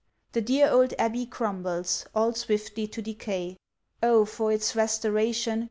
The dear old Abbey crumbles All swiftly to decay: Oh! for its restoration!